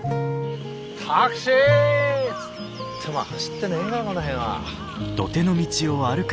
タクシーつっても走ってねえがこの辺は。